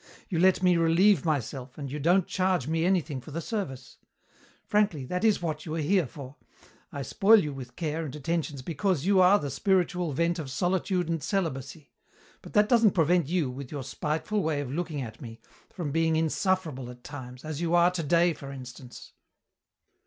You let me relieve myself and you don't charge me anything for the service. Frankly, that is what you are here for. I spoil you with care and attentions because you are the spiritual vent of solitude and celibacy, but that doesn't prevent you, with your spiteful way of looking at me, from being insufferable at times, as you are today, for instance!"